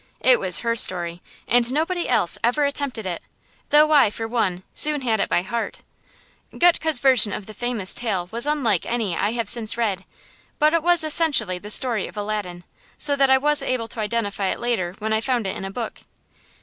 It was her story, and nobody else ever attempted it, though I, for one, soon had it by heart. Gutke's version of the famous tale was unlike any I have since read, but it was essentially the story of Aladdin, so that I was able to identify it later when I found it in a book.